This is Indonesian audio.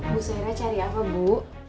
bu saira cari apa bu